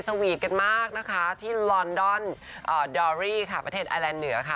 สวีทกันมากนะคะที่ลอนดอนดอรี่ค่ะประเทศไอแลนดเหนือค่ะ